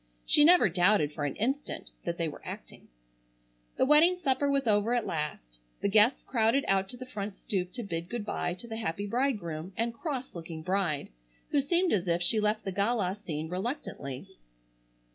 She never doubted for an instant that they were acting. The wedding supper was over at last. The guests crowded out to the front stoop to bid good bye to the happy bridegroom and cross looking bride, who seemed as if she left the gala scene reluctantly.